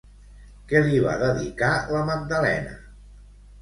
Què li va dedicar la Magdalena?